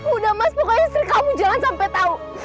udah mas pokoknya istri kamu jangan sampai tahu